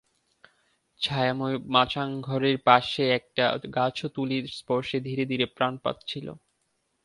ছায়াময় মাচাংঘরের পাশে একটা গাছও তুলির স্পর্শে ধীরে ধীরে প্রাণ পাচ্ছিল।